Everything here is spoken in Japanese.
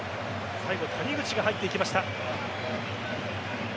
最後、谷口が入っていきました。